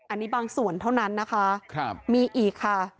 อันนี้บางส่วนเท่านั้นนะคะมีอีกค่ะ